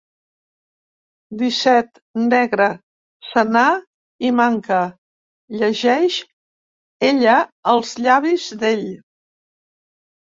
Disset, negre, senar i manca —llegeix ella als llavis d'ell.